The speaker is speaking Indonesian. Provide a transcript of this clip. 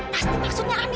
pasti maksudnya amirah ya